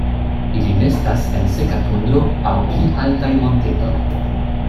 Ili nestas en seka tundro aŭ pli altaj montetoj.